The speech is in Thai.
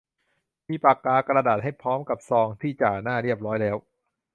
มีปากกา กระดาษ ให้พร้อมกับซองที่จ่าหน้าเรียบร้อยแล้ว